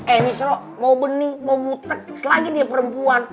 eh misal lo mau bening mau butek selagi dia perempuan